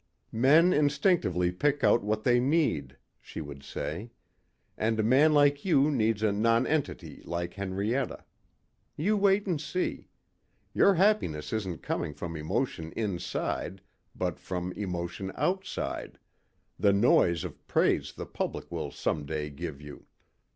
"Men instinctively pick out what they need," she would say. "And a man like you needs a nonentity like Henrietta. You wait and see. Your happiness isn't coming from emotion inside but from emotion outside the noise of praise the public will someday give you."